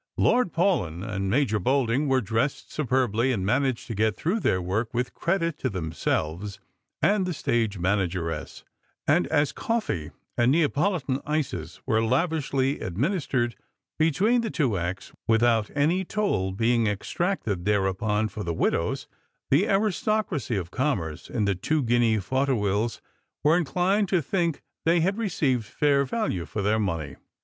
Lord Paulyn and Major Bolding were dressed superbly, and managed to get through their work with credit to themselves and the stage manageress ; and as coffee and Neapolitan ices were lavishly administered between the two acts, without any toll being exacted thereupon for the widows, the aristocracy of commerce in the two guinea fauteuils were inclined to think they had received fair value for their money.